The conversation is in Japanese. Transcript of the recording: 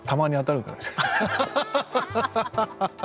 アハハハ！